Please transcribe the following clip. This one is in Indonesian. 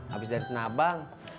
habis dari penabang